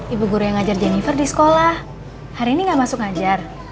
ibu guru yang ngajar jennifer di sekolah hari ini gak masuk ngajar